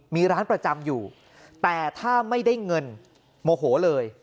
มีร้านประจำอยู่แต่ถ้าไม่ได้เงินโมโหเลย